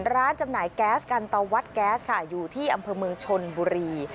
จำหน่ายแก๊สกันตะวัดแก๊สค่ะอยู่ที่อำเภอเมืองชนบุรี